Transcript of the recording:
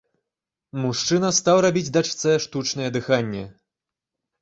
Мужчына стаў рабіць дачцэ штучнае дыханне.